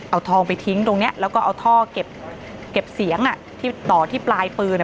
เอาทองไปทิ้งตรงนี้แล้วก็เอาท่อเก็บเสียงที่ต่อที่ปลายปืน